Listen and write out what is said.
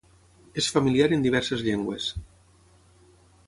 És familiar en diverses llengües.